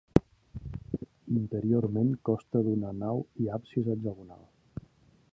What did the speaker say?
Interiorment costa d'una nau i absis hexagonal.